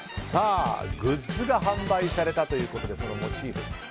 グッズが販売されたということで、モチーフ。